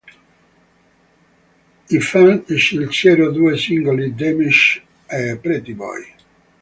I fan scelsero due singoli "Damaged" e "Pretty Boy".